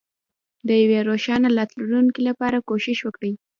د یوې روښانه راتلونکې لپاره کوښښ وکړئ.